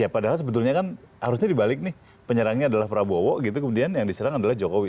padahal sebetulnya kan harusnya dibalik nih penyerangnya adalah prabowo gitu kemudian yang diserang adalah jokowi